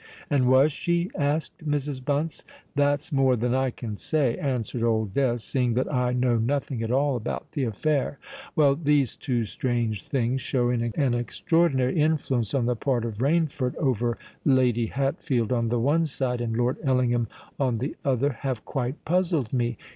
"And was she?" asked Mrs. Bunce. "That's more than I can say," answered Old Death; "seeing that I know nothing at all about the affair. Well, these two strange things, showing an extraordinary influence on the part of Rainford over Lady Hatfield on the one side, and Lord Ellingham on the other, have quite puzzled me.